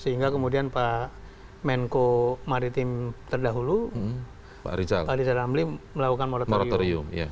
sehingga kemudian pak menko maritim terdahulu pak riza ramli melakukan moratorium